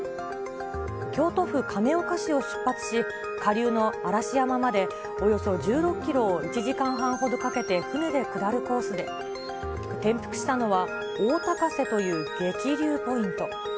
京都府亀岡市を出発し、下流の嵐山まで、およそ１６キロを１時間半ほどかけて船で下るコースで、転覆したのは、大高瀬という激流ポイント。